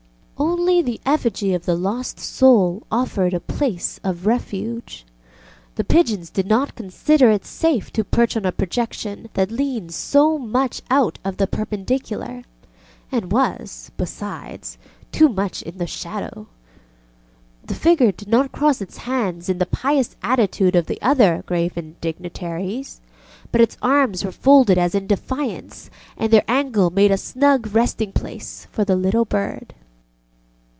Only the effigy of the Lost Soul offered a place of refuge. The pigeons did not consider it safe to perch on a projection that leaned so much out of the perpendicular, and was, besides, too much in the shadow. The figure did not cross its hands in the pious attitude of the other graven dignitaries, but its arms were folded as in defiance and their angle made a snug resting place for the little bird.